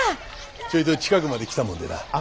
ちょいと近くまで来たもんでな。